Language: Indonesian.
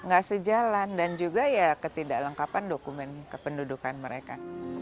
gak sejalan dan juga ya ketidaklengkapan dokumen kependudukan mereka